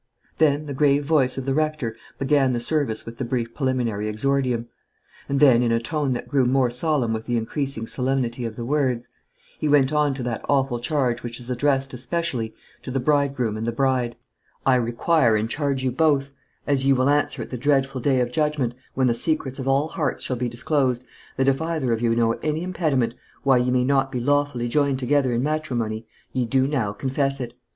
Then the grave voice of the rector began the service with the brief preliminary exordium; and then, in a tone that grew more solemn with the increasing solemnity of the words, he went on to that awful charge which is addressed especially to the bridegroom and the bride: "I require and charge you both, as ye will answer at the dreadful day of judgment, when the secrets of all hearts shall be disclosed, that if either of you know any impediment, why ye may not be lawfully joined together in matrimony, ye do now confess it.